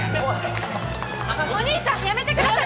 お兄さんやめてください！